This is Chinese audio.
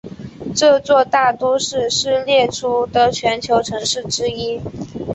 这座大都市是列出的全球城市之一。